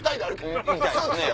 行きたいですね。